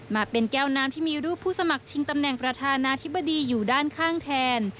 มาเป็นแก้วน้ำที่มีรูปผู้สมัครชิงตำแหน่งประธานาธิบดีอยู่ด้านข้างแทน